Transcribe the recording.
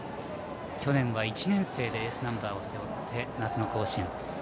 去年は１年生でエースナンバーを背負って夏の甲子園。